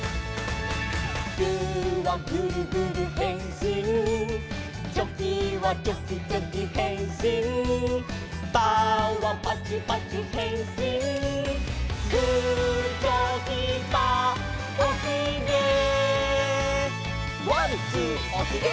「グーはグルグルへんしん」「チョキはチョキチョキへんしん」「パーはパチパチへんしん」「グーチョキパーおひげ」「ワンツーおひげ！」